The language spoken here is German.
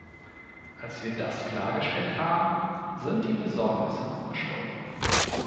Als wir das klargestellt haben, sind die Besorgnisse verschwunden.